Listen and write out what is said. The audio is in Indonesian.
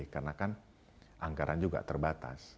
karena kan anggaran juga terbatas